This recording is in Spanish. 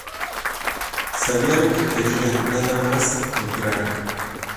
Sabia lo que quería nada más entrar".